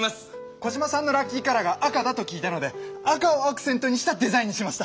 コジマさんのラッキーカラーが赤だと聞いたので赤をアクセントにしたデザインにしました！